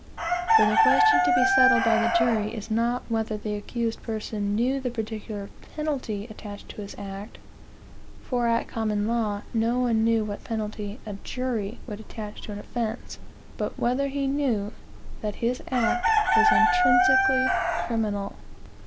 For the question to be settled by the jury is not whether the accused person knew the particular penalty attached to his act, (for at common law no one knew what penalty a jury would attach to an offence,) but whether he knew that his act was intrinsically criminal.